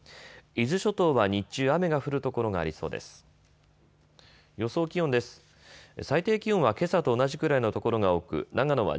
伊豆諸島は日中、雨が降るところがありそうです。